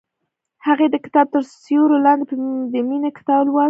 هغې د کتاب تر سیوري لاندې د مینې کتاب ولوست.